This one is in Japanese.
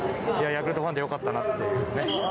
ヤクルトファンで良かったなっていう。